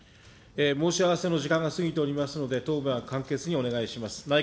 申し合わせの時間が過ぎておりますので、答弁はどうか簡潔にお願いいたします。